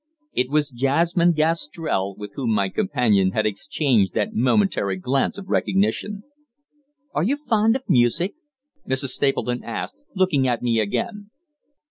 It was Jasmine Gastrell with whom my companion had exchanged that momentary glance of recognition. "Are you fond of music?" Mrs. Stapleton asked, looking at me again.